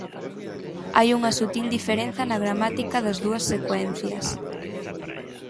Hai unha sutil diferenza na gramática das dúas secuencias.